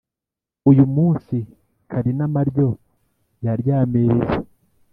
uyu munsi karinamaryo yaryamiriye